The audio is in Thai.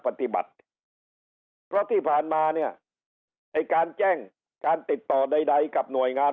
ปฏิบัติเพราะที่ผ่านมาเนี่ยไอ้การแจ้งการติดต่อใดกับหน่วยงาน